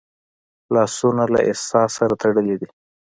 لاسونه له احساس سره تړلي دي